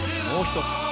もう１つ。